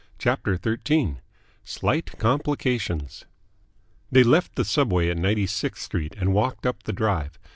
CHAPTER XIII SLIGHT COMPLICATIONS They left the subway at Ninety sixth Street and walked up the Drive.